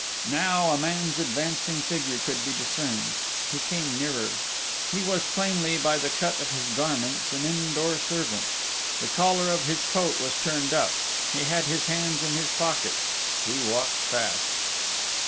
Now a man's advancing figure could be discerned. He came nearer. He was plainly, by the cut of his garments, an indoor servant. The collar of his coat was turned up: he had his hands in his pockets: he walked fast.